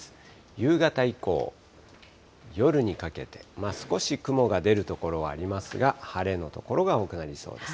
夕方以降、夜にかけて、少し雲が出る所はありますが、晴れの所が多くなりそうです。